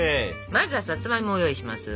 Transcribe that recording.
まずはさつまいもを用意します。